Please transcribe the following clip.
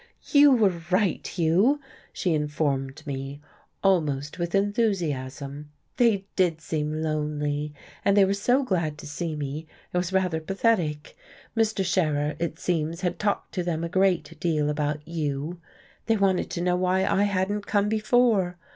"You were right, Hugh," she informed me, almost with enthusiasm, "they did seem lonely. And they were so glad to see me, it was rather pathetic. Mr. Scherer, it seems, had talked to them a great deal about you. They wanted to know why I hadn't come before.